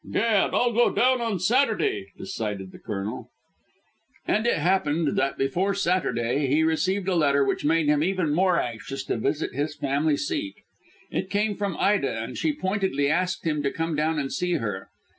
"Gad! I'll go down on Saturday," decided the Colonel. And it happened that before Saturday he received a letter which made him even more anxious to visit his family seat. It came from Ida, and she pointedly asked him to come down and see her.